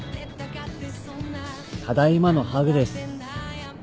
ただいまのハグです。